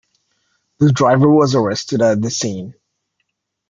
The driver was arrested at the scene.